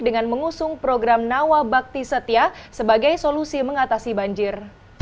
dengan mengusung program nawabakti setia sebagai solusi mengatasi banjir